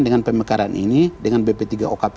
dengan pemekaran ini dengan bp tiga okp